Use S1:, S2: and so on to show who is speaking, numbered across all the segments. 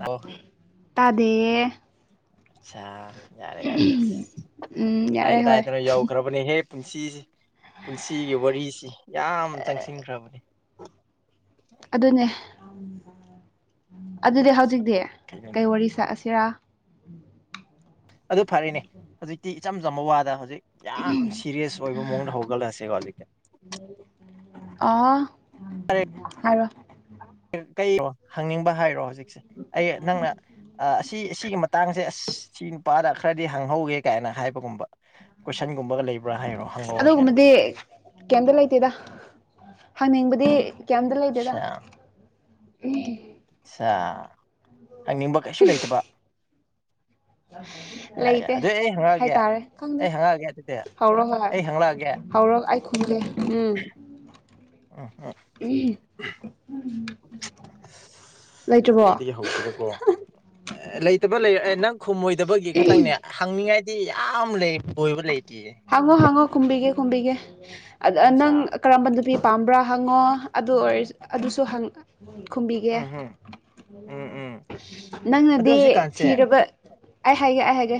S1: ꯑꯣ
S2: ꯇꯥꯗꯦꯌꯦ
S1: ꯑꯆꯁꯥ ꯌꯥꯔꯦ ꯌꯥꯔꯦ ꯑꯥꯁ
S2: ꯎꯝ ꯌꯥꯔꯦ
S1: ꯀꯗꯥꯥꯏ
S2: ꯍꯣꯏ
S1: ꯀꯗꯥꯏꯗ ꯌꯧꯈ꯭ꯔ ꯐꯕꯅꯦꯍꯦ ꯄꯨꯟꯁꯤꯁ ꯄꯨꯟꯁꯤꯒꯤ ꯋꯥꯔꯤꯁꯤ ꯌꯥꯝ ꯆꯪꯁꯤꯟꯈ꯭ꯔꯕꯅꯦ
S2: ꯑꯗꯨꯅꯦ ꯑꯗꯨꯗꯤ
S1: ꯑꯁ
S2: ꯍꯧꯖꯤꯛꯇꯤ
S1: ꯀꯩꯅꯣꯅꯦ
S2: ꯀꯩ ꯋꯥꯔꯤ ꯁꯁꯤꯔꯥ
S1: ꯑꯗꯨ ꯐꯔꯅꯦ ꯍꯧꯖꯤꯛꯇꯤ ꯏꯆꯝ ꯆꯝꯕ ꯋꯥꯗ ꯍꯧꯖꯤꯛ ꯌꯥꯝ ꯁꯤꯦꯔꯤꯌꯁ ꯑꯣꯏꯕ ꯃꯑꯣꯡꯗ ꯍꯧꯒꯠꯂꯛꯑꯁꯦꯀꯣ ꯍꯧꯂꯤꯛꯛꯇ
S2: ꯑ ꯑꯣ
S1: ꯀꯣ ꯍꯪꯅꯤꯡꯕ ꯍꯥꯏꯔꯣ ꯍꯧꯖꯤꯛꯁꯦ ꯑꯩ ꯅꯪꯅ ꯑꯁꯤ ꯑꯁꯤꯒꯤ ꯃꯇꯥꯡꯁꯦ ꯑꯁ ꯁꯤ ꯅꯨꯄꯥꯗ ꯈꯔꯗꯤ ꯍꯪꯍꯧꯒꯦ ꯀꯥꯏꯅ ꯍꯥꯏꯕꯒꯨꯝꯕ ꯀꯣꯏꯁꯟꯒꯨꯝꯕꯒ ꯂꯩꯕ
S2: ꯑꯗꯨꯒꯨꯝꯕꯗꯤ ꯀꯩꯝꯇ ꯂꯩꯇꯦꯗ ꯍꯪꯅꯤꯡꯕꯗꯤ ꯀꯩꯝꯇ ꯂꯩꯇꯦꯗ
S1: ꯑꯆꯥ ꯑ ꯍꯪꯅꯤꯡꯕ ꯀꯩꯁꯨ ꯂꯩꯇꯕ ꯌꯥꯏ ꯌꯥꯏ
S2: ꯂꯩꯇꯦ
S1: ꯑꯗꯨ ꯑꯩ ꯍꯪꯉꯛꯑꯒꯦ
S2: ꯍꯥꯏꯇꯥꯔꯦ ꯈꯪꯗꯦ
S1: ꯑꯩ ꯍꯪꯉꯛꯑꯒꯦ ꯑꯗꯨꯗꯤ
S2: ꯍꯧꯔꯣ ꯍꯣꯏ
S1: ꯑꯩ ꯍꯪꯂꯛꯑꯒꯦ
S2: ꯍꯧꯔꯛ ꯑꯩ ꯈꯨꯝꯒꯦ ꯎꯝ ꯎꯝ
S1: ꯀꯩꯗꯒꯤ ꯍꯧꯁꯤꯔꯀꯣ ꯂꯩꯇꯕ ꯂꯩ ꯅꯪ ꯈꯨꯝꯃꯣꯏꯗꯕꯒꯤ ꯈꯇꯪꯅꯦ ꯍꯪꯅꯤꯡꯉꯥꯏꯗꯤ ꯌꯥꯝ ꯂꯩ ꯀꯣꯏꯕ ꯂꯩꯇꯦꯌꯦ
S2: ꯍꯪꯉꯣ ꯍꯪꯉꯣ ꯈꯨꯝꯕꯤꯒꯦ ꯈꯨꯝꯕꯤꯒꯦ ꯑꯗ
S1: ꯆꯥ
S2: ꯅꯪ ꯀꯔꯝꯕ ꯅꯨꯄꯤ ꯄꯥꯝꯕ꯭ꯔꯥ ꯍꯪꯉꯣ ꯑꯗꯨꯑꯣꯏꯔꯁꯨ ꯑꯗꯨꯁꯨ ꯍꯪ__ ꯈꯨꯝꯕꯤꯒꯦ
S1: ꯎꯝ ꯎꯝ ꯎꯝ ꯎꯝ ꯑꯗꯣ
S2: ꯅꯪꯅꯗꯤ
S1: ꯍꯧꯖꯤꯛꯀꯥꯟꯁꯦ
S2: ꯊꯤꯔꯕ__ ꯑꯩ ꯍꯥꯏꯒꯦ ꯑꯩ ꯍꯥꯏꯒꯦ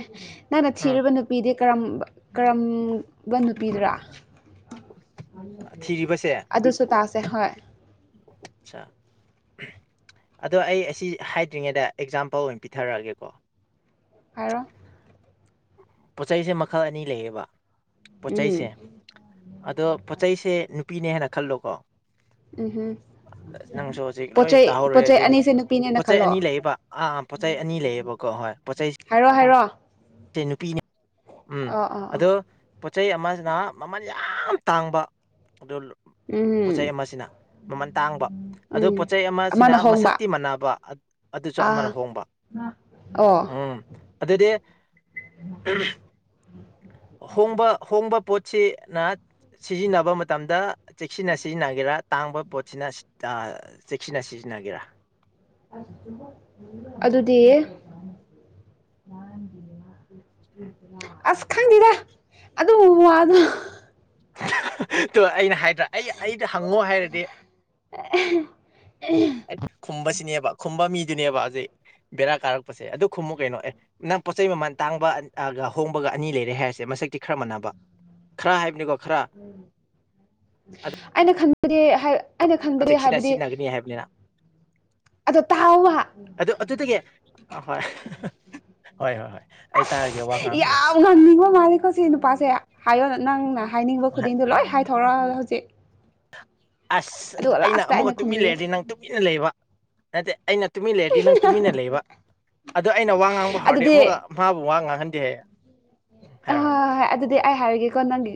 S2: ꯅꯪꯅ
S1: ꯎꯝ
S2: ꯊꯤꯔꯨꯕ ꯅꯨꯄꯤꯗꯤ ꯀꯔꯝꯕ ꯀꯔꯝꯕ ꯅꯨꯄꯤꯗꯨꯔ [unintelligible] ꯑꯗꯨꯁꯨ ꯇꯥꯁꯦ ꯍꯣꯏ
S1: [unintelligible] ꯑꯆꯥ ꯑꯗꯣ ꯑꯩ ꯑꯁꯤ ꯍꯥꯏꯗ꯭ꯔꯤꯉꯩꯗ ꯑꯦꯛꯖꯥꯝꯄꯜ ꯑꯣꯏꯅ ꯄꯤꯊꯔꯛꯑꯒꯦꯀꯣ
S2: ꯍꯥꯏꯔꯣ
S1: ꯄꯣꯠ ꯆꯩꯁꯦ ꯃꯈꯜ ꯑꯅꯤ ꯂꯩꯌꯦꯕ ꯄꯣꯠ
S2: ꯎꯝ
S1: ꯆꯩꯁꯦ ꯑꯗꯣ ꯄꯣꯠ ꯆꯩꯁꯦ ꯅꯨꯄꯤꯅꯦ ꯍꯥꯏꯅ ꯈꯜꯂꯣꯀꯣ
S2: ꯎꯝꯍꯨꯝ
S1: ꯅꯪꯁꯨ ꯍꯧꯖꯤꯛ ꯂꯣꯏ ꯇꯥꯍꯧꯔꯦ ꯍꯧꯖꯤꯛ
S2: ꯑꯅꯤꯁꯦ ꯅꯨꯄꯤꯅꯦꯅ
S1: ꯄꯣꯠꯆꯩ
S2: ꯈꯜꯂꯣ
S1: ꯑꯅꯤ ꯂꯩꯌꯦꯕ ꯑꯥ ꯑꯥ ꯄꯣꯠ ꯆꯩ ꯑꯅꯤ ꯂꯩꯌꯦꯕ ꯀꯣ ꯍꯣꯏ ꯄꯣꯠꯆꯩ ꯁ__
S2: ꯍꯥꯏꯔꯣ ꯍꯥꯏꯔꯣ
S1: ꯅꯨꯄꯤꯅꯦ ꯎꯝ
S2: ꯑꯥ ꯑꯥ ꯑꯥ
S1: ꯑꯗꯣ ꯄꯣꯠꯆꯩ ꯑꯃꯁꯤꯅ ꯃꯃꯜ ꯌꯥꯝ ꯇꯥꯡꯕ ꯑꯗꯨ ꯂꯣ__ ꯄꯣꯠꯆꯩ
S2: ꯎꯝ
S1: ꯑꯃꯁꯤꯅ ꯃꯃꯟ ꯇꯥꯡꯕ ꯑꯗꯨ
S2: ꯎꯝ
S1: ꯄꯣꯠ ꯆꯩ ꯑꯃꯁꯤꯅ
S2: ꯑꯃꯅ ꯍꯣꯡꯕ
S1: ꯃꯁꯛꯇꯤ ꯃꯥꯟꯅꯕ ꯑꯗ ꯑꯗꯨꯁꯨ ꯑꯃꯅ
S2: ꯑꯥ
S1: ꯍꯣꯡꯕ
S2: ꯑꯣ
S1: ꯎꯝ ꯑꯗꯨꯗꯤ [unintelligible] ꯍꯣꯡꯕ ꯍꯣꯡꯕ ꯄꯣꯠꯁꯤꯅ ꯁꯤꯖꯤꯟꯅꯕ ꯃꯇꯝꯗ ꯆꯦꯛꯁꯤꯟꯅ ꯁꯤꯖꯤꯟꯅꯒꯦꯔꯥ ꯇꯥꯡꯕ ꯄꯣꯠꯁꯤꯅ ꯁꯤꯗ ꯑ__ ꯆꯦꯛꯁꯤꯟꯅ ꯁꯤꯖꯤꯟꯅꯒꯦꯔꯥ
S2: ꯑꯗꯨꯗꯤ [unintelligible] ꯑꯁ ꯈꯪꯗꯦꯗ ꯑꯗꯨꯒꯨꯝꯕ ꯋꯥꯗꯣ [unintelligible]
S1: [unintelligible] ꯇꯣ ꯑꯩꯅ ꯍꯥꯏꯗ꯭ꯔꯥ ꯑꯩ ꯑꯩꯗ ꯍꯪꯉꯣ ꯍꯥꯏꯔꯗꯤ
S2: [unintelligible]
S1: ꯈꯨꯝꯕꯁꯤꯅꯦꯕ ꯈꯨꯝꯕ ꯃꯤꯗꯨꯅꯦꯕ ꯍꯧꯖꯤꯛ ꯕꯦꯔꯥ ꯀꯥꯔꯛꯄꯁꯦ ꯑꯗꯨ ꯈꯨꯝꯃꯨ ꯀꯩꯅꯣ ꯑꯦ ꯅꯪ ꯄꯣꯠ ꯆꯩ ꯃꯃꯜ ꯇꯥꯡꯕ ꯑ ꯒ ꯍꯣꯡꯕꯒ ꯑꯅꯤ ꯂꯩꯔꯦ ꯍꯥꯏꯔꯁꯦ ꯃꯁꯛꯇꯤ ꯈꯔ ꯃꯥꯟꯅꯕ ꯈꯔ ꯍꯥꯏꯕꯅꯤꯀꯣ ꯈꯔ
S2: [unintelligible] ꯑꯩꯅ ꯈꯟꯕꯗꯤ ꯍꯥꯏ__ ꯑꯩꯅ
S1: ꯑꯗꯨ
S2: ꯈꯟꯕꯗꯤ
S1: ꯁꯤꯅ
S2: ꯍꯥꯏꯕꯗꯤ
S1: ꯁꯤꯖꯤꯟꯅꯒꯅꯤ ꯍꯥꯏꯕꯅꯤꯅ
S2: ꯑꯗꯣ ꯇꯥꯥꯎꯋꯣꯕ
S1: ꯑꯍꯣꯏ [unintelligible] ꯍꯣꯏ ꯍꯣꯏ ꯍꯣꯏ ꯑꯩ ꯇꯥꯔꯒꯦ ꯋꯥ ꯉꯥꯡꯉꯔꯣꯏ
S2: ꯌꯥꯝ ꯉꯥꯡꯅꯤꯡꯕ ꯃꯥꯜꯂꯤꯀꯣ ꯁꯤ ꯅꯨꯄꯥꯁꯦ ꯍꯥꯏꯌꯣ ꯅꯪꯅ ꯍꯥꯏꯅꯤꯡꯕ ꯈꯨꯗꯤꯡꯗꯣ ꯂꯣꯏ ꯍꯥꯏꯊꯧꯔꯛꯑꯣ ꯍꯧꯖꯤꯛ
S1: ꯑꯁ
S2: ꯑꯗꯨꯒ
S1: ꯑꯩꯅ
S2: ꯂꯥꯁꯇ
S1: ꯑꯃꯨꯛꯀ ꯇꯨꯃꯤꯟꯅ
S2: ꯈꯨꯝꯕꯤꯒꯦ
S1: ꯂꯩꯔꯗꯤ ꯅꯪ ꯇꯨꯃꯤꯟꯅ ꯂꯩꯕ ꯅꯠꯇꯦ ꯑꯩꯅ ꯇꯨꯃꯤꯟ ꯂꯩꯔꯗꯤ ꯅꯪ ꯇꯨꯃꯤꯟꯅ ꯂꯩꯕ ꯑꯗꯣ ꯑꯩꯅ ꯋꯥ ꯉꯥꯡꯕ ꯍꯧꯔꯗꯤ
S2: ꯑꯗꯨꯗꯤ
S1: ꯑꯃꯨꯛꯀ ꯃꯥꯥꯕꯨ ꯋꯥ ꯉꯥꯡꯍꯟꯗꯦ ꯍꯥꯏꯌꯦ ꯍꯥꯏꯔꯣ
S2: ꯑꯍꯣꯏ
S1: ꯍꯥꯏꯔꯣ
S2: ꯍꯣꯏ ꯑꯗꯨꯗꯤ ꯑꯩ ꯍꯥꯏꯔꯒꯦꯀꯣ ꯅꯪꯒꯤ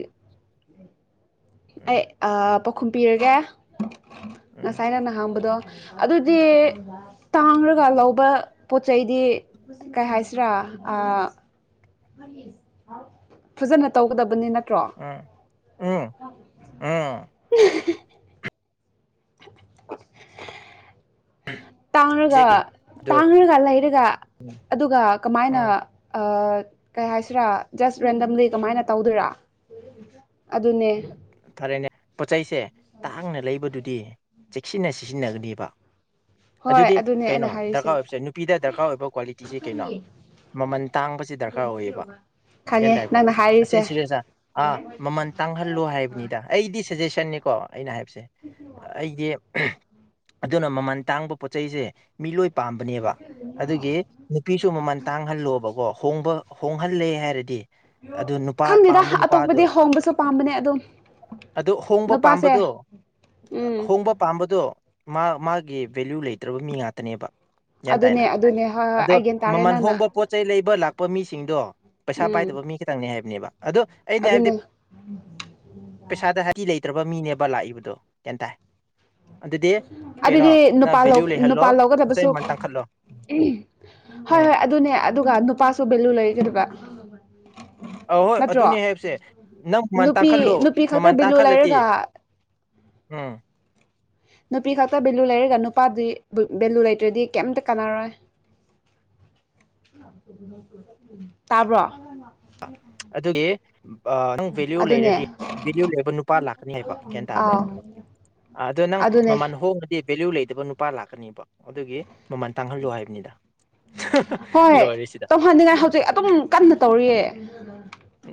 S1: ꯎꯝ
S2: ꯑꯩ ꯑ ꯄꯥꯎꯈꯨꯝ ꯄꯤꯔꯒꯦ
S1: ꯎꯝ
S2: ꯉꯁꯥꯏ ꯅꯪꯅ ꯍꯪꯕꯗꯣ ꯑꯗꯨꯗꯤ ꯇꯥꯡꯔꯒ ꯂꯧꯕ ꯄꯣꯠ ꯆꯩꯗꯤ ꯀꯩ ꯍꯥꯏꯁꯤꯔꯥ ꯑ__ ꯐꯖꯅ ꯇꯧꯒꯗꯕꯅꯦ ꯅꯠꯇ꯭ꯔꯣ
S1: ꯎꯝ ꯎꯝ ꯎꯝ
S2: ꯇꯥꯡꯔꯒ
S1: ꯄꯤꯖꯒꯦ ꯑꯗꯣ
S2: ꯇꯥꯡꯔꯒ ꯂꯩꯔꯒ ꯑꯗꯨꯒ ꯀꯃꯥꯏꯅ
S1: ꯎꯝ
S2: ꯑ ꯀꯩ ꯍꯥꯏꯁꯤꯔꯥ ꯖꯁ ꯔꯦꯟꯗꯝꯂꯤ ꯀꯃꯥꯏꯅ ꯇꯧꯗꯣꯏꯔꯥ ꯑꯗꯨꯅꯦ
S1: ꯐꯔꯦꯅꯦ ꯄꯣꯠꯆꯩꯁꯦ ꯇꯥꯡꯅ ꯂꯩꯕꯗꯨꯗꯤ ꯆꯦꯛꯁꯤꯟꯅ ꯁꯤꯖꯤꯟꯅꯒꯅꯤꯕ
S2: ꯍꯣꯏ
S1: ꯑꯗꯨꯗꯤ
S2: ꯑꯗꯨꯅꯦ ꯑꯩꯅ
S1: ꯀꯩꯅꯣ
S2: ꯍꯥꯏꯔꯤꯁꯦ
S1: ꯗꯔꯀꯥꯔ ꯑꯣꯏꯕꯁꯦ ꯅꯨꯄꯤꯗ ꯗꯔꯀꯥꯔ ꯑꯣꯏꯕ ꯀ꯭ꯋꯥꯂꯤꯇꯤꯁꯦ ꯀꯩꯅꯣ ꯃꯃꯜ ꯇꯥꯡꯕꯁꯤ ꯗꯔꯀꯥꯔ ꯑꯣꯏꯌꯦꯕ ꯒ꯭ꯌꯥꯟ
S2: ꯈꯪꯉꯦ
S1: ꯇꯥꯏꯀꯣ
S2: ꯅꯪꯅ
S1: ꯑꯁꯤ
S2: ꯍꯥꯏꯔꯤꯁꯦ
S1: ꯁꯤꯒꯩ ꯁꯦ ꯑꯥ ꯃꯃꯜ ꯇꯥꯡꯍꯟ__ ꯈꯜꯂꯣ ꯍꯥꯏꯕꯅꯤꯗ ꯑꯩꯗꯤ ꯁꯖꯦꯁꯟꯅꯦꯀꯣ ꯑꯩꯅ ꯍꯥꯏꯕꯁꯦ ꯑꯩꯒꯤ [unintelligible] ꯑꯗꯨꯅ ꯃꯃꯜ ꯇꯥꯡꯕ ꯄꯣꯠ ꯆꯩꯩꯁꯦ ꯃꯤꯂꯣꯏ ꯄꯥꯝꯕꯅꯦꯕ ꯑꯗꯨꯒꯤ ꯅꯨꯄꯤꯁꯨ ꯃꯃꯜ ꯇꯥꯡ ꯍꯣꯡꯍꯜꯂꯣꯕꯀꯣ ꯍꯣꯡꯕ ꯍꯣꯡꯍꯜꯂꯦ ꯍꯥꯏꯔꯗꯤ ꯑꯗꯨ ꯅꯨꯄꯥ
S2: ꯈꯪꯗꯦꯗ
S1: ꯄꯥꯝꯕ ꯅꯨꯄꯥꯗꯣ
S2: ꯑꯇꯣꯞꯄꯗꯤ ꯍꯣꯡꯕꯁꯨ ꯄꯥꯝꯕꯅꯦ ꯑꯗꯨꯝ
S1: ꯑꯗꯨ ꯍꯣꯡꯕ
S2: ꯅꯨꯄꯥꯁꯦ
S1: ꯄꯥꯝꯕꯗꯣ
S2: ꯎꯝ
S1: ꯍꯣꯡꯕ ꯄꯥꯝꯕꯗꯣ ꯃꯥ ꯃꯥꯒꯤ ꯚꯦꯂꯌꯨ ꯂꯩꯇ꯭ꯔꯕ ꯃꯤ ꯉꯥꯛꯇꯅꯦꯕ ꯒ꯭ꯌꯥꯟ
S2: ꯑꯗꯨꯅꯦ
S1: ꯇꯥꯏꯅ
S2: ꯑꯗꯨꯅꯦ ꯍꯣꯏ ꯍꯣꯏ
S1: ꯑꯗꯣ
S2: ꯑꯩ ꯒ꯭ꯌꯥꯟ ꯇꯥꯔꯦ
S1: ꯃꯃꯜ
S2: ꯅꯪꯅ
S1: ꯍꯣꯡꯕ ꯄꯣꯠ ꯆꯩ ꯂꯩꯕ ꯂꯥꯛꯄ ꯃꯤꯁꯤꯡꯗꯣ ꯄꯩꯁꯥ
S2: ꯎꯝ
S1: ꯄꯥꯏꯗꯕ ꯃꯤ ꯈꯤꯇꯪꯅꯦ ꯍꯥꯏꯕꯅꯦꯕ ꯑꯗꯣ ꯑꯩꯅ ꯍꯥꯏꯕꯗꯤ
S2: ꯑꯗꯨꯅꯦ
S1: ꯄꯩꯁꯥꯗ ꯍꯥꯏꯇꯤ ꯂꯩꯇ꯭ꯔꯕ ꯃꯤꯅꯦꯕ ꯂꯥꯛꯏꯕꯗꯣ ꯀꯩꯝꯇꯥꯏ
S2: ꯑꯗꯨꯗꯤ
S1: ꯅꯪ
S2: ꯅꯨꯄꯥ
S1: ꯚꯦꯂꯌꯨ ꯂꯩꯍꯜꯂꯣ
S2: ꯅꯨꯄꯥ
S1: ꯄꯣꯠꯆꯩ
S2: ꯂꯧꯒꯗꯕꯁꯨ ꯎ
S1: ꯃꯃꯜ ꯇꯥꯡꯈꯠꯂꯣ
S2: ꯍꯣꯏ
S1: ꯎꯝ
S2: ꯍꯣꯏ ꯑꯗꯨꯅꯦ ꯑꯗꯨꯒ ꯅꯨꯄꯥꯁꯨ ꯚꯦꯂꯨ ꯂꯩꯒꯗꯕ
S1: ꯑꯍꯣꯏ
S2: ꯅꯠꯇ꯭ꯔꯣ
S1: ꯑꯗꯨꯅꯦ ꯍꯥꯏꯕꯁꯦ ꯅꯪ ꯃꯃꯥꯟ
S2: ꯅꯨꯄꯤ
S1: ꯇꯥꯡꯈꯠꯂꯨ
S2: ꯅꯨꯄꯤ ꯈꯛꯇ
S1: ꯃꯃꯥꯟ
S2: ꯚꯦꯂꯨ
S1: ꯇꯥꯡꯈꯠꯂꯗꯤ
S2: ꯂꯩꯔꯒ
S1: ꯎꯨꯝ
S2: ꯅꯨꯄꯤ ꯈꯛꯇ ꯚꯦꯂꯨ ꯂꯩꯔꯒ ꯅꯨꯄꯥꯗꯨ ꯚꯦꯂꯨ ꯂꯩꯇ꯭ꯔꯗꯤ ꯀꯩꯝꯇ ꯀꯥꯟꯅꯔꯣꯏ ꯇꯕ꯭ꯔꯣ
S1: ꯑꯗꯨꯒꯤ ꯅꯪ ꯚꯦꯂꯨ
S2: ꯑꯗꯨꯅꯦ
S1: ꯂꯩꯔꯗꯤ ꯚꯦꯂꯨ ꯂꯩꯕ ꯅꯨꯄꯥ ꯂꯥꯛꯀꯅꯤ ꯍꯥꯏꯕ ꯒ꯭ꯌꯥꯟ ꯇꯥꯕ꯭ꯔ
S2: ꯑꯥꯎ
S1: ꯑꯗꯣ ꯅꯪ
S2: ꯑꯗꯨꯅꯦ
S1: ꯃꯃꯜ ꯍꯣꯡ ꯑꯦ ꯚꯦꯂꯨ ꯂꯩꯗꯕ ꯅꯨꯄꯥ ꯂꯥꯛꯀꯅꯦꯕ ꯑꯗꯨꯒꯤ ꯃꯃꯜ ꯇꯥꯡꯍꯜꯂꯣ ꯍꯥꯏꯕꯅꯤꯗ
S2: ꯍꯣꯏ
S1: ꯂꯣꯏꯔꯤꯁꯤꯗ
S2: ꯇꯧꯍꯟꯅꯤꯡꯉꯥꯏ ꯍꯧꯖꯤꯛ ꯑꯗꯨꯝ ꯀꯟꯅ ꯇꯧꯔꯤꯌꯦ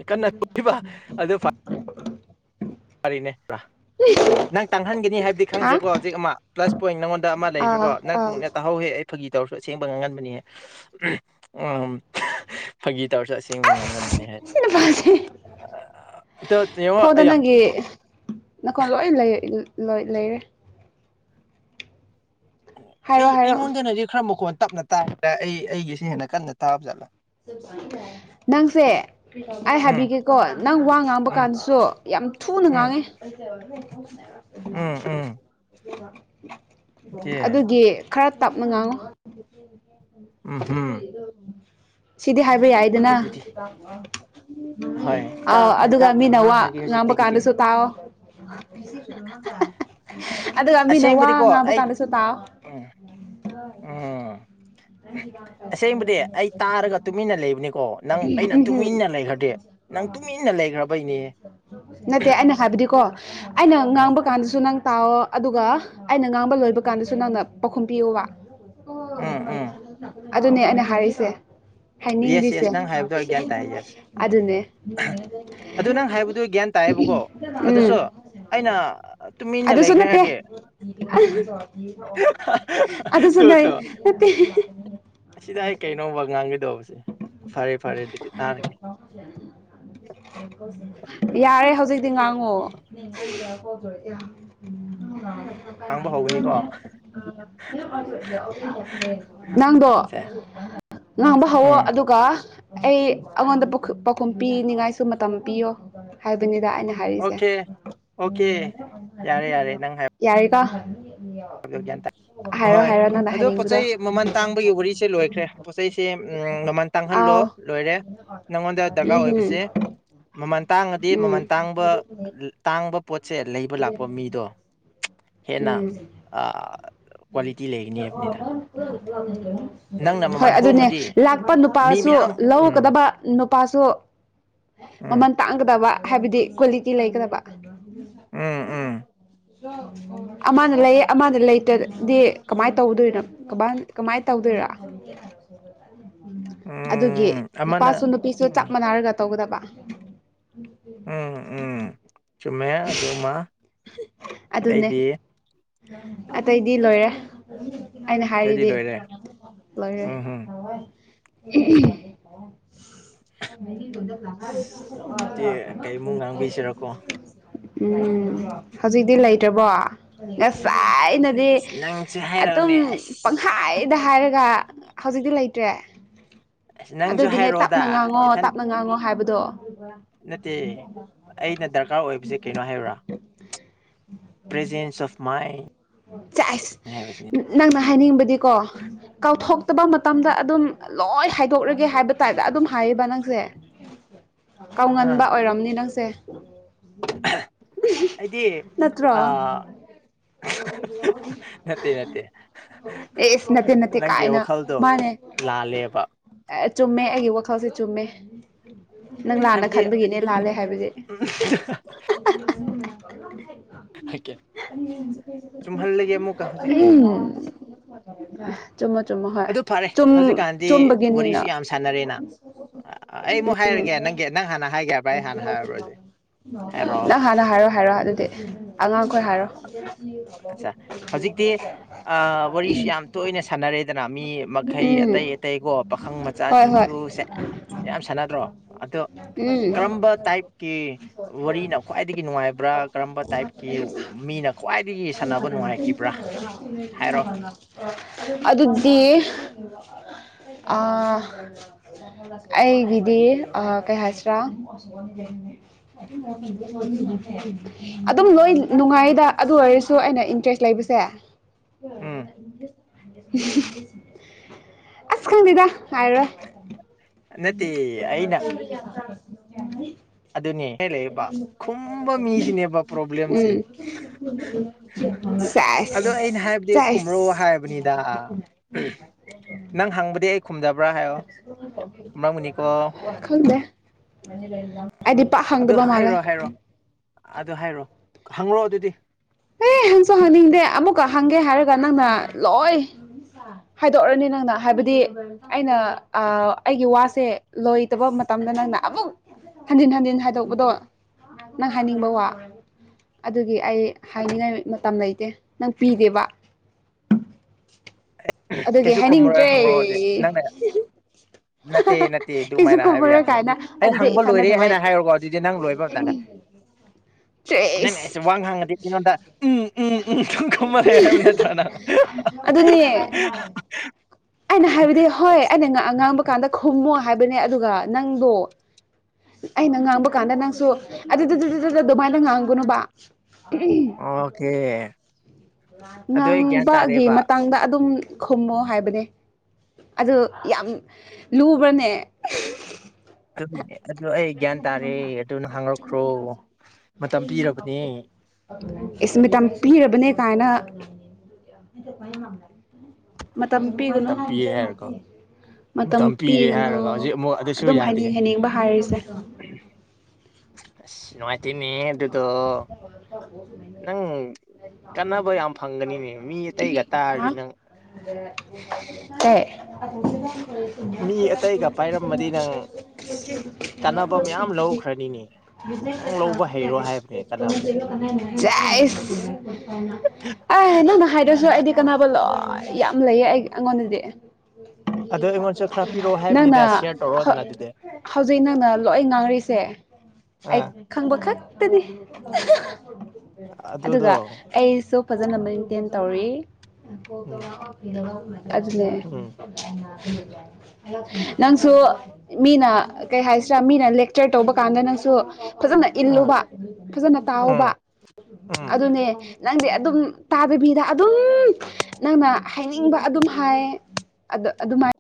S1: ꯀꯟꯅ ꯇꯕ ꯑꯗꯨ ꯐꯔꯤꯅꯦ ꯕ꯭ꯔꯥ
S2: ꯍ
S1: ꯅꯪ ꯇꯥꯡꯍꯟꯒꯅꯤ ꯍꯥꯏꯕꯗꯤ ꯈꯪꯈ꯭ꯔꯦꯀꯣ ꯍꯧꯖꯤꯛ ꯑꯃ ꯄ꯭ꯂꯁ ꯄꯣꯏꯟꯠ ꯅꯉꯣꯟꯗ ꯑꯃ
S2: ꯑꯥ
S1: ꯂꯩꯈ꯭ꯔꯦꯀꯣ ꯅꯪ
S2: ꯑꯥ
S1: ꯃꯨꯛꯅ ꯇꯥꯍꯧꯋꯦ ꯑꯩ ꯐꯥꯒꯤ ꯇꯧꯔꯁꯨ ꯑꯁꯦꯡꯕ ꯉꯥꯡꯍꯟꯕꯅꯤꯍꯦ ꯎꯨꯍ ꯐꯥꯒꯤ ꯇꯧꯔꯁꯨ ꯑꯁꯦꯡꯕ ꯉꯥꯡ ꯕ
S2: ꯑꯁ ꯁꯤ ꯅꯨꯄꯥꯁꯦ
S1: ꯍꯥꯏꯦ ꯌꯦꯡꯉꯣ ꯑꯌꯥ
S2: ꯀ ꯅꯈꯣ ꯂꯣꯏ ꯂꯩ ꯂꯣꯏ ꯂꯩꯔꯦ ꯍꯥꯏꯔꯣ
S1: ꯑꯩ
S2: ꯍꯥꯏꯔꯣ
S1: ꯑꯩꯉꯣꯟꯗꯅꯗꯤ ꯈꯔ ꯃꯈꯣꯟ ꯇꯞꯅ ꯇꯥꯔꯗ꯭ꯔꯦ ꯑꯩ ꯑꯩꯒꯤꯁꯤꯅ ꯍꯦꯟꯅ ꯀꯟꯅ ꯇꯥꯕ ꯖꯥꯠꯂ
S2: ꯅꯪꯁꯦ ꯑꯩ
S1: ꯎꯝ
S2: ꯍꯥꯏꯕꯤꯒꯦꯀꯣ ꯅꯪ ꯋꯥ ꯉꯥꯡꯕ
S1: ꯎꯝ
S2: ꯀꯥꯟꯗꯁꯨ ꯌꯥꯝ ꯊꯨꯅ
S1: ꯎꯝ
S2: ꯉꯥꯡꯉꯦ
S1: ꯎꯝ ꯎꯝ
S2: ꯑꯗꯨ
S1: ꯆꯦ
S2: ꯑꯗꯨꯒꯤ ꯈꯔ ꯇꯞꯅ ꯉꯥꯡꯉꯨ
S1: ꯎꯝ ꯎꯝ
S2: ꯁꯤꯗꯤ ꯍꯥꯏꯕ ꯌꯥꯏꯗꯅ
S1: ꯑꯗꯨꯗꯤ ꯍꯣꯏ
S2: ꯑ
S1: ꯇꯥꯞꯅ
S2: ꯑꯗꯨꯒ
S1: ꯇꯥꯞꯅ
S2: ꯃꯤꯅ ꯋꯥ
S1: ꯉꯥꯡꯉꯒꯦ
S2: ꯉꯥꯡꯕ
S1: ꯍꯧꯖꯤꯛꯇꯒꯤꯗꯤ
S2: ꯀꯥꯟꯗꯁꯨ ꯇꯥꯑꯣꯣ ꯑꯗꯨꯒ ꯃꯤꯅ ꯋꯥ
S1: ꯑꯁꯦꯡꯕꯗꯤꯀꯣ
S2: ꯉꯥꯡꯕ
S1: ꯑꯩ
S2: ꯀꯥꯟꯗꯁꯨ ꯇꯥꯑꯣ
S1: ꯎꯝ
S2: ꯀꯔ
S1: ꯎꯝ
S2: ꯀ ꯅ ꯀ
S1: ꯑꯁꯦꯡꯕꯗꯤ
S2: ꯀꯔ
S1: ꯑꯩ ꯇꯥꯔꯒ ꯇꯨꯃꯤꯟꯅ ꯂꯩꯕꯅꯤꯀꯣ ꯅꯪ ꯑꯩꯅ
S2: ꯎꯝ
S1: ꯇꯨꯃꯤꯟꯅ ꯂꯩꯈ꯭ꯔꯗꯤ ꯅꯪ ꯇꯨꯃꯤꯟꯅ ꯂꯩꯈ꯭ꯔꯕꯩꯅꯤ
S2: ꯅꯠꯇꯦ ꯑꯩꯅ ꯍꯥꯏꯕꯗꯤꯀꯣ ꯑꯩꯅ
S1: ꯎꯝ
S2: ꯉꯥꯡꯕ ꯀꯥꯟꯗꯁꯨ ꯅꯪ ꯇꯥꯛꯑꯣ ꯑꯗꯨꯒ ꯑꯩꯅ ꯉꯥꯡꯕ ꯂꯣꯏꯕ ꯀꯥꯟꯗꯁꯨ ꯅꯪꯅ ꯄꯥꯎꯈꯨꯝ ꯄꯤꯌꯨꯕ ꯑꯣ
S1: ꯎꯝ ꯎꯝ
S2: ꯑꯗꯨꯅꯦ ꯑꯩꯅ ꯍꯥꯏꯔꯛꯏꯁꯦ
S1: ꯌꯦꯁ
S2: ꯍꯥꯏꯅꯤꯡꯗ꯭ꯔꯤꯁꯦ
S1: ꯌꯦꯁ ꯅꯪ ꯍꯥꯏꯕꯗꯣ ꯑꯩ ꯒ꯭ꯌꯥꯟ ꯇꯥꯏ ꯌꯦꯁ
S2: ꯑꯗꯨꯅꯦ
S1: ꯑꯗꯨ ꯅꯪ ꯍꯥꯏꯕꯗꯨ ꯒ꯭ꯌꯥꯟ ꯇꯥꯏꯌꯦꯕꯀꯣ
S2: ꯎꯝ
S1: ꯑꯗꯨꯁꯨ ꯑꯩꯅ ꯇꯨꯃꯤꯟꯅ
S2: ꯑꯗꯨꯁꯨ
S1: ꯂꯩꯈ꯭ꯔꯦ
S2: ꯅꯠꯇꯦ
S1: ꯍꯥꯏꯔꯗꯤ
S2: ꯑꯗ ꯆꯗꯥꯏꯦ
S1: ꯁꯤꯗ ꯑꯩ ꯀꯩꯅꯣꯕ ꯉꯥꯡꯒꯗꯧꯕꯁꯦ ꯐꯔꯦ ꯐꯔꯦ ꯑꯗꯨꯗꯤ ꯇꯥꯟꯅꯒꯦ
S2: [unintelligible] ꯌꯥꯔꯦ ꯍꯧꯖꯤꯛꯇꯤ ꯉꯥꯡꯉꯣ
S1: ꯉꯥꯡꯕ ꯍꯧꯒꯅꯤꯀꯣ
S2: [inaudible] ꯅꯥꯡꯗꯣ
S1: ꯁꯦ
S2: ꯉꯥꯡꯕ ꯍꯥꯎꯋꯑꯣ
S1: ꯎꯝ
S2: ꯑꯗꯨꯒ ꯑꯩ ꯑꯩꯉꯣꯟꯗ ꯄꯥꯎꯈꯨꯝ ꯄꯤꯅꯤꯡꯉꯥꯏꯁꯨ ꯃꯇꯝ ꯄꯤꯌꯣ ꯍꯥꯏꯕꯅꯤꯗ ꯑꯩꯅ
S1: ꯑꯣꯀꯦ ꯑꯣꯀꯦ ꯌꯥꯔꯦ ꯌꯥꯔꯦ ꯅꯪ ꯍꯥꯏ
S2: ꯌꯥꯔ ꯀ
S1: [unintelligible] ꯍꯣꯏ
S2: ꯅꯪꯅ
S1: ꯑꯗꯣ ꯄꯣꯠ
S2: ꯍꯥꯏꯅꯤꯡꯕꯗꯣ
S1: ꯆꯩ ꯃꯃꯜ ꯇꯥꯡꯕꯒꯤ ꯋꯥꯔꯤꯁꯦ ꯂꯣꯏꯈ꯭ꯔꯦ ꯄꯣꯠꯆꯩꯁꯦ ꯃꯃꯜ ꯇꯥꯡꯍꯜꯂꯣ
S2: ꯑꯥꯎ
S1: ꯂꯣꯏꯔꯦ ꯅꯪꯉꯣꯟꯗ ꯗꯔꯀꯥꯔ
S2: ꯎꯝꯍꯝ
S1: ꯑꯣꯏꯕꯁꯦ ꯃꯃꯜ ꯇꯥꯡꯉꯗꯤ
S2: ꯎꯝ
S1: ꯃꯃꯜ ꯇꯥꯡꯕ ꯇꯥꯡꯕ ꯄꯣꯠꯁꯦ ꯂꯩꯕ ꯂꯥꯛꯄ ꯃꯤꯗꯣ ꯍꯦꯟꯅ
S2: ꯎꯝ
S1: ꯀ꯭ꯋꯥꯂꯤꯇꯤ ꯂꯩꯒꯅꯤ ꯍꯥꯏꯕꯅꯤꯗ ꯅꯪꯅ
S2: [unintelligible] ꯍꯣꯏ
S1: ꯃꯃꯜ
S2: ꯑꯗꯨꯅꯦ
S1: ꯍꯣꯡꯉꯗꯤ
S2: ꯂꯥꯛꯄ
S1: ꯃꯤ
S2: ꯅꯨꯄꯥꯁꯨ
S1: ꯃꯌꯥꯝ ꯎꯝ
S2: ꯂꯧꯒꯗꯕ ꯅꯨꯄꯥꯁꯨ
S1: ꯎꯝ
S2: ꯃꯃꯟ ꯇꯥꯡꯒꯗꯕ ꯍꯥꯏꯕꯗꯤ ꯀ꯭ꯋꯥꯂꯤꯇꯤ ꯂꯩꯒꯗꯕ
S1: ꯎꯝ ꯎꯝ
S2: ꯑꯃꯅ ꯂꯩꯌꯦ ꯑꯃꯅ ꯂꯩꯇꯥ ꯗꯤ ꯀꯃꯥꯏꯅ ꯇꯧꯗꯣꯏꯅꯣ ꯀꯃꯥꯏꯅ ꯀꯃꯥꯏꯟ ꯇꯧꯗꯣꯏꯔꯥ ꯑꯗꯨꯒꯤ
S1: ꯎꯝ
S2: ꯅꯨꯄꯥꯁꯨ
S1: ꯑꯃꯅ
S2: ꯅꯨꯄꯤꯁꯨ ꯆꯞ
S1: ꯎꯝ
S2: ꯃꯥꯟꯅꯔꯒ ꯇꯧꯒꯗꯕ
S1: ꯎꯝ ꯎꯝ ꯆꯨꯝꯃꯦ ꯑꯗꯨꯃ
S2: ꯑꯗꯨꯅꯦ
S1: ꯑꯇꯩꯗꯤ
S2: ꯑꯇꯩꯗꯤ ꯂꯣꯏꯔꯦ ꯑꯩꯅ
S1: ꯑꯇꯩꯗꯤ
S2: ꯍꯥꯏꯔꯤꯗꯤ
S1: ꯂꯣꯏꯔꯦ
S2: ꯂꯣꯏꯔꯦ [inaudible]
S1: ꯎꯝ ꯎꯝ ꯍꯧꯖꯤꯛꯇꯤ ꯀꯩꯃꯨꯛ ꯉꯥꯡꯕꯤꯁꯤꯔꯀꯣ
S2: [unintelligible] ꯎꯝ ꯍꯧꯖꯤꯛꯇꯤ ꯂꯩꯇ꯭ꯔꯕꯣ ꯉꯁꯥꯏ ꯅꯗꯤ
S1: ꯑꯁ ꯅꯪꯁꯨ
S2: ꯑꯗꯨꯝ
S1: ꯍꯥꯏꯔꯛꯑꯣꯅꯦ ꯑꯁ
S2: ꯄꯪꯍꯥꯏꯗ ꯍꯥꯏꯔꯒ ꯍꯧꯖꯤꯛꯇꯤ ꯂꯩꯇ꯭ꯔꯦ
S1: ꯑꯁ ꯅꯪꯁꯨ
S2: ꯑꯗꯨꯒꯤꯅꯦ
S1: ꯍꯥꯏꯔꯛꯑꯣꯗ
S2: ꯇꯞꯅ ꯉꯥꯡꯉꯣ
S1: ꯏꯊꯟ
S2: ꯇꯞꯅ ꯉꯥꯡꯉꯣ ꯍꯥꯏꯕꯗꯣ
S1: ꯅꯠꯇꯦ ꯑꯩꯅ ꯗꯔꯀꯥꯔ ꯑꯣꯏꯕꯁꯦ ꯀꯩꯅꯣ ꯍꯥꯏꯌꯣꯔꯥ ꯄ꯭ꯔꯦꯖꯦꯟꯁ ꯑꯣꯐ ꯃꯥꯏꯟ
S2: ꯆꯥꯏꯁ
S1: ꯍꯥꯏꯕꯁꯤꯅꯤ
S2: ꯅꯪꯅ ꯍꯥꯏꯅꯤꯡꯕꯗꯤꯀꯣ ꯀꯥꯎꯊꯣꯛꯇꯕ ꯃꯇꯝꯗ ꯑꯗꯨꯝ ꯂꯣꯏ ꯍꯥꯏꯗꯣꯛꯂꯒꯦ ꯍꯥꯏꯕ ꯇꯥꯗ ꯑꯗꯨꯝ ꯍꯥꯏꯌꯦꯕ ꯅꯪꯁꯦ
S1: ꯑꯥ
S2: ꯀꯥꯎꯉꯟꯕ ꯑꯣꯏꯔꯝꯅꯤ ꯅꯪꯁꯦ
S1: ꯑꯩꯗꯤ
S2: [unintelligible] ꯅꯠꯇ꯭ꯔꯣ
S1: ꯑ ꯅꯠꯇꯦ ꯅꯠꯇꯦ
S2: ꯑꯦꯁ ꯅꯠꯇꯦ ꯅꯠꯇꯦ
S1: ꯅꯪꯒꯤ
S2: ꯀꯥꯏꯅ
S1: ꯋꯥꯈꯜꯗꯣ
S2: ꯃꯥꯅꯦ
S1: ꯂꯥꯜꯂꯦꯕ
S2: ꯆꯨꯝꯃꯦ ꯑꯩꯒꯤ ꯋꯥꯈꯜꯁꯦ ꯆꯨꯝꯃꯦ ꯅꯪ ꯂꯥꯟꯅ
S1: ꯍꯥꯏꯕꯗꯤ
S2: ꯈꯟꯕꯒꯤꯅꯦ ꯂꯥꯜꯂꯦ ꯍꯥꯏꯕꯖꯦ ꯎꯝ
S1: [unintelligible] ꯆꯨꯝꯍꯜꯂꯒꯦ ꯑꯃꯨꯛꯀ ꯍꯧꯖꯤꯛꯇꯤ
S2: [unintelligible] ꯆꯨꯝꯃꯣ ꯆꯨꯝꯃꯣ ꯍꯣꯏ
S1: ꯑꯗꯨ ꯐꯔꯦ
S2: ꯆꯨꯝ
S1: ꯍꯧꯖꯤꯛꯀꯥꯟꯗꯤ
S2: ꯆꯨꯝꯕꯒꯤꯅꯤꯅ
S1: ꯋꯥꯔꯤꯁꯨ ꯌꯥꯝ ꯁꯥꯟꯅꯔꯦꯅ ꯑꯩ ꯑꯃꯨꯛ ꯍꯥꯏꯔꯒꯦ ꯅꯪꯒꯤ ꯅꯪ ꯍꯥꯟꯅ ꯍꯥꯏꯒꯦ ꯍꯥꯏꯕ꯭ꯔꯥ
S2: ꯎꯝ
S1: ꯑꯩ ꯍꯥꯟꯅ ꯍꯥꯏꯔꯕ꯭ꯔꯣ ꯍꯧꯖꯤꯛ ꯍꯥꯏꯔꯣ
S2: ꯅꯪ ꯍꯥꯟꯅ ꯍꯥꯏꯔꯣ ꯍꯥꯏꯔꯣ ꯑꯗꯨꯗꯤ ꯑꯉꯥꯡꯈꯣꯏ ꯍꯥꯏꯔꯣ
S1: ꯑꯆꯥ ꯍꯧꯖꯤꯛꯇꯤ ꯋꯥꯔꯤꯁꯤ ꯌꯥꯝ ꯇꯣꯏꯅ ꯁꯥꯟꯅꯔꯦꯗꯅ ꯃꯤ ꯃꯈꯩ
S2: ꯎꯝ
S1: ꯑꯇꯩ ꯑꯇꯩꯀꯣ ꯄꯥꯈꯪ
S2: ꯍꯣꯏ ꯍꯣꯏ
S1: ꯃꯆꯥꯁꯤꯡꯁꯨ ꯁꯦ ꯌꯥꯝ ꯁꯥꯟꯅꯗ꯭ꯔꯣ ꯑꯗꯣ
S2: ꯎꯝ
S1: ꯀꯔꯝꯕ ꯇꯥꯏꯞ ꯀꯤ ꯋꯥꯔꯤꯅ ꯈ꯭ꯋꯥꯏꯗꯒꯤ ꯅꯨꯡꯉꯥꯏꯕ꯭ꯔꯥ ꯀꯔꯝꯕ ꯇꯥꯏꯞꯀꯤ ꯃꯤꯅ ꯈ꯭ꯋꯥꯏ ꯍꯥꯏꯔꯣ
S2: ꯑꯗꯨꯗꯤ ꯑꯥ ꯑꯩꯒꯤꯗꯤ ꯑꯥ ꯀꯩ ꯍꯥꯏꯁꯔꯥ ꯑꯗꯨꯝ ꯂꯣꯏ ꯅꯨꯡꯉꯥꯏꯗ ꯑꯗꯨ ꯑꯣꯏꯔꯁꯨ ꯑꯩꯅ ꯏꯟꯇꯔꯦꯁ ꯂꯩꯕꯁꯦ
S1: ꯎꯝ
S2: ꯑꯁ ꯈꯪꯗꯦꯗ ꯉꯥꯏꯔꯣꯏ
S1: ꯅꯠꯇꯦ ꯑꯩꯅ
S2: ꯎꯝ [unintelligible]
S1: ꯑꯗꯨꯅꯦ ꯍꯦ ꯂꯩꯕ ꯈꯨꯝꯕ ꯃꯤꯁꯤꯅꯦꯕ ꯄ꯭ꯔꯣꯕ꯭ꯂꯦꯝꯁꯦ
S2: ꯎꯝ
S1: ꯑꯗꯣ
S2: ꯁꯦꯁ
S1: ꯑꯩꯅ ꯍꯥꯏꯕꯗꯤ ꯈꯨꯝꯔꯑꯣ
S2: ꯆꯥꯏꯁ
S1: ꯍꯥꯏꯕꯅꯤ ꯗꯥ ꯅꯪ ꯍꯪꯕꯗꯤ ꯑꯩ ꯈꯨꯝꯗꯕ꯭ꯔ ꯍꯥꯏꯌꯣ ꯈꯨꯝꯔꯝꯒꯅꯤꯀꯣ
S2: ꯈꯪꯗꯦ ꯑꯩꯗꯤ ꯄꯥꯛ
S1: ꯑꯗꯨ
S2: ꯍꯪꯗꯕ ꯃꯥꯜꯂꯦ
S1: ꯍꯥꯏꯔꯣ ꯍꯥꯏꯔꯣ ꯑꯗꯨ ꯍꯥꯏꯔꯣ ꯍꯪꯪꯂꯛꯑꯣ ꯑꯗꯨꯗꯤ
S2: ꯑꯦ ꯍꯪꯁꯨ ꯍꯪꯅꯤꯡꯗꯦ ꯑꯃꯨꯛꯀ ꯍꯪꯒꯦ ꯍꯥꯏꯔꯒ ꯅꯪꯅ ꯂꯣꯏ ꯍꯥꯏꯗꯣꯛꯔꯅꯤ ꯅꯪꯅ ꯍꯥꯏꯕꯗꯤ ꯑꯩꯅ ꯑꯩꯒꯤ ꯋꯥꯁꯦ ꯂꯣꯏꯇꯕ ꯃꯇꯝꯗ ꯅꯪꯅ ꯑꯃꯨꯛ ꯍꯟꯖꯤꯟ ꯍꯟꯖꯤꯟ ꯍꯥꯏꯗꯣꯛꯄꯗꯣ ꯅꯪ ꯍꯥꯏꯅꯤꯡꯕ ꯋꯥ ꯑꯗꯨꯒꯤ ꯑꯩ ꯍꯥꯏꯅꯤꯡꯉꯥꯏ ꯃꯇꯝ ꯂꯩꯇꯦ ꯅꯪ ꯄꯤꯗꯦꯕ
S1: ꯑ
S2: ꯑꯗꯨꯒꯤ ꯍꯥꯏꯅꯤꯡꯗ꯭ꯔꯦ ꯍꯤ ꯍꯤ
S1: ꯅꯠꯇꯦ ꯅꯠꯇꯦ ꯑꯗꯨꯃꯥꯏꯅ ꯍꯥꯏꯕ ꯌꯥꯗꯦꯕ ꯑꯩ
S2: ꯑꯗꯨꯗꯤ
S1: ꯍꯪꯕ
S2: ꯏꯁꯥꯅ
S1: ꯂꯣꯏꯔꯦ ꯍꯥꯏꯅ ꯍꯥꯏꯔꯣꯀꯣ ꯑꯗꯨꯗꯤ ꯅꯪ ꯂꯣꯏꯕ ꯃꯇꯝꯗ
S2: ꯎꯝ
S1: ꯅꯪꯅꯦ ꯑꯩꯁꯦ ꯋꯥ ꯍꯥꯡꯉꯗꯤ ꯀꯩꯅꯣꯗ ꯎꯝ ꯎꯝ ꯎꯝ ꯁꯨꯝ ꯈꯨꯝꯃꯜꯂꯦ ꯍꯥꯏꯕ ꯅꯠꯇ꯭ꯔꯥꯅ
S2: ꯑꯗꯨ ꯑꯗꯨꯅꯤ
S1: [inaudible]
S2: ꯑꯩꯅ ꯍꯥꯏꯕꯗꯤ ꯍꯣꯏ ꯑꯩꯅ ꯉ ꯉꯥꯡꯕ ꯀꯥꯟꯗ ꯈꯨꯝꯃꯨ ꯍꯥꯏꯕꯅꯦ ꯑꯗꯨꯒ ꯅꯪꯗꯣ ꯑꯩꯅ ꯉꯥꯡꯕ ꯀꯥꯟꯗ ꯅꯪꯁꯨ ꯑꯗꯨ ꯗꯨ ꯗꯨ ꯗꯨ ꯗꯨ ꯑꯗꯨꯃꯥꯏꯅ ꯉꯥꯡꯒꯅꯣꯕ
S1: ꯑꯣꯀꯦ ꯑꯗꯨ ꯑꯩ ꯒ꯭ꯌꯥꯟ
S2: ꯉꯥꯡꯕꯒꯤ
S1: ꯇꯥꯔꯦꯕ
S2: ꯃꯇꯥꯡꯗ ꯑꯗꯨꯝ ꯈꯨꯝꯃꯣ ꯍꯥꯏꯕꯅꯦ ꯑꯗꯨ ꯌꯥꯝ ꯂꯨꯕ꯭ꯔꯅꯦ
S1: ꯑꯗꯨ ꯑꯗꯨ ꯑꯩ ꯒ꯭ꯌꯥꯟ ꯇꯥꯔꯦ ꯑꯗꯨꯅ ꯍꯥꯡꯉꯛꯈ꯭ꯔꯣ ꯃꯇꯝ ꯄꯤꯔꯕꯅꯤ
S2: ꯏꯁ ꯃꯤꯇꯝ ꯄꯤꯔꯕꯅꯦ ꯀꯥꯏꯅ ꯃꯇꯝ ꯄꯤꯒꯅꯣ
S1: ꯃꯇꯝ ꯄꯤꯔꯦ ꯍꯥꯏꯔꯒ
S2: ꯃꯇꯝ
S1: ꯄꯤꯔꯦ
S2: ꯄꯤꯒꯅꯨ
S1: ꯍꯥꯏꯔꯒ ꯍꯧꯖꯤꯛ ꯑꯃꯨꯛ
S2: ꯑꯗꯨꯝ ꯍꯥꯏꯅꯤꯡ ꯍꯥꯏꯅꯤꯡꯕ ꯍꯥꯏꯔꯤꯁꯦ
S1: ꯑ ꯅꯨꯡꯉꯥꯏ ꯇꯃꯤ ꯑꯗꯨꯗꯣ ꯅꯪ ꯀꯥꯟꯅꯕ ꯌꯥꯝ ꯐꯪꯒꯅꯤꯅꯦ ꯃꯤ ꯑꯇꯩꯒ ꯇꯥꯔꯗꯤ ꯅꯪ
S2: ꯍꯦ
S1: ꯃꯤ ꯑꯇꯩꯒ
S2: [unintelligible]
S1: ꯄꯥꯏꯔꯝꯃꯗꯤ ꯅꯪ ꯑꯁ
S2: ꯁꯤ
S1: ꯀꯥꯟꯅꯕ ꯃꯌꯥꯝ ꯂꯧꯈ꯭ꯔꯅꯤꯅꯦ ꯅꯪ
S2: ꯖꯤꯅꯦ
S1: ꯂꯧꯕ ꯍꯩꯔꯣ ꯍꯥꯏꯕꯅꯦ ꯀꯥꯟꯅꯕꯁꯦ
S2: ꯄꯁꯥꯟ ꯖꯥꯏ ꯑꯦ ꯅꯪꯅ ꯍꯥꯏꯗ꯭ꯔꯁꯨ ꯑꯩꯗꯤ ꯀꯥꯟꯅꯕ ꯂꯣꯏ ꯌꯥꯝ ꯂꯩꯌꯦ ꯑꯩ ꯑꯩꯉꯣꯟꯗꯗꯤ
S1: ꯑꯗꯣ ꯑꯩꯉꯣꯟꯁꯨ ꯈꯔ ꯄꯤꯔꯛꯑꯣ
S2: ꯅꯪꯅ
S1: ꯍꯥꯏꯕꯅꯤꯗ ꯁꯤꯌꯔ ꯇꯧꯔꯛꯑꯣꯗꯅ ꯑꯗꯨꯗꯤ
S2: ꯍꯧꯖꯤꯛ ꯅꯪꯅ ꯂꯣꯏ ꯉꯥꯡꯔꯤꯁꯦ ꯑꯩ
S1: ꯑꯥ
S2: ꯈꯪꯕ ꯈꯛꯇꯅꯤ ꯑꯗꯨꯒ
S1: ꯑꯗꯨꯗꯣ
S2: ꯑꯩꯁꯨ ꯐꯖꯅ
S1: ꯎꯝ
S2: ꯃꯦꯟꯇꯦꯟ ꯇꯧꯔꯤ
S1: ꯎꯝ
S2: ꯑꯗꯨꯅꯦ
S1: ꯎꯝ
S2: ꯅꯪꯁꯨ ꯃꯤꯅ ꯀꯩ ꯍꯥꯏꯁꯤꯔꯥ ꯃꯤꯅ ꯂꯦꯛꯆꯔ ꯇꯧꯕ ꯀꯥꯟꯗ ꯅꯪꯁꯨ ꯐꯖꯅ
S1: ꯑꯥ
S2: ꯏꯜꯂꯨꯕ ꯐꯖꯅ
S1: ꯎꯝ
S2: ꯇꯥꯎꯕ
S1: ꯎꯝ
S2: ꯑꯗꯨꯅꯦ ꯅꯪꯗꯤ ꯑꯗꯨꯝ ꯇꯥꯗꯕꯤꯗ ꯑꯗꯨꯝ ꯅꯪꯅ ꯍꯥꯏꯅꯤꯡꯕ ꯑꯗꯨꯝ ꯍꯥꯏ ꯑꯗ ꯑꯗꯨꯃꯥꯏꯅ